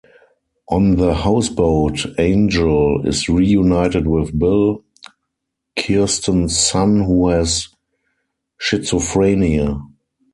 On the houseboat, Angel is reunited with Bill, Kirsten's son who has schizophrenia.